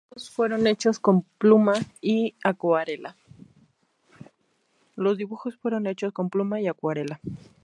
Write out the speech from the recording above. Los dibujos fueron hechos con pluma y acuarela.